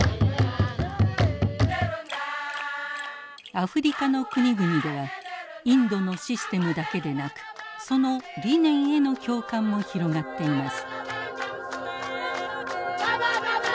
アフリカの国々ではインドのシステムだけでなくその理念への共感も広がっています。